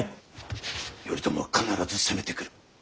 頼朝は必ず攻めてくる。